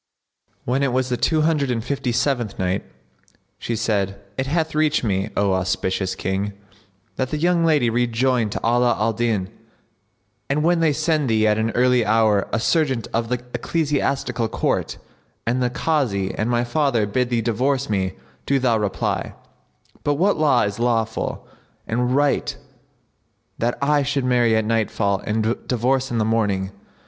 When it was the Two Hundred and Fifty seventh Night, She said, It hath reached me, O auspicious King, that the young lady rejoined to Ala al Din, "And when they send thee at an early hour a serjeant of the Ecclesiastical Court, and the Kazi and my father bid thee divorce me, do thou reply, By what law is it lawful and right that I should marry at nightfall and divorce in the morning?